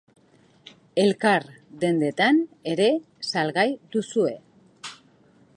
Elkar dendetan ere salgai duzue.